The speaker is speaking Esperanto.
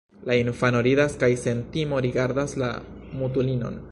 La infano ridas kaj sen timo rigardas la mutulinon.